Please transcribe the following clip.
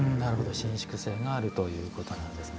伸縮性があるということなんですね。